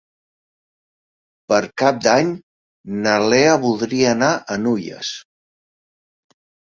Per Cap d'Any na Lea voldria anar a Nulles.